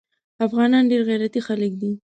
افغانان ډیر غیرتي خلک دي